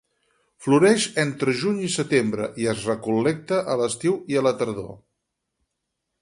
Floreix entre el juny i el setembre i es recol·lecta a l'estiu i la tardor.